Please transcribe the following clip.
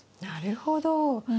なるほど。